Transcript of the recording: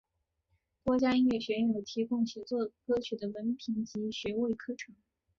多家音乐学院有提供写作歌曲的文凭及学位课程。